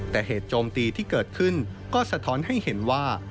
แต่เหตุโจมตีที่เกิดขึ้นก็สะท้อนให้เห็นว่า